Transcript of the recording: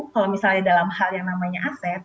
kalau misalnya dalam hal yang namanya aset